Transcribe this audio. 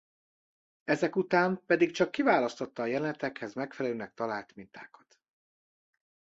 Ezek után pedig csak kiválasztotta a jelenetekhez megfelelőnek talált mintákat.